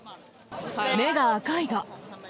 目が赤いが？